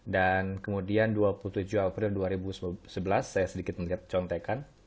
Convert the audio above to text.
dan kemudian dua puluh tujuh april dua ribu sebelas saya sedikit mencontekkan